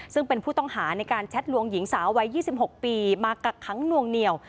ซึ่งเป็นผู้ต้องหาในการแชทลวงหญิงสาววัย๒๖ปีมากักขังนวงเหนียว